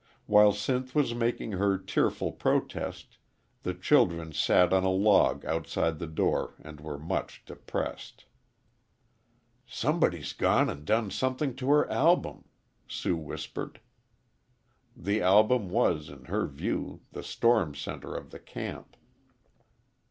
While Sinth was making her tearful protest, the children sat on a log outside the door and were much depressed. "Somebody's gone and done something to her album," Sue whispered. The album was, in her view, the storm centre of the camp.